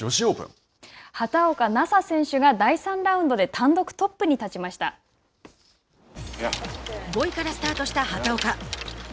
畑岡奈紗選手が第３ラウンドで５位からスタートした畑岡。